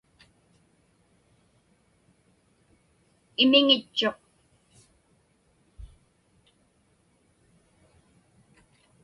Imiŋitchuq.